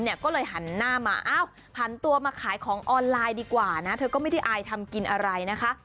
เอ้าพันตัวมาขายของออนไลน์ดีกว่านะเธอก็ไม่ได้อายทำกินอะไรนะคะ